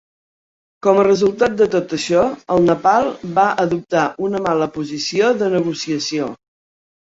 Com a resultat de tot això, el Nepal va adoptar una mala posició de negociació.